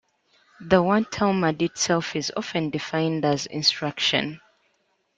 The word "Talmud" itself is often defined as "instruction".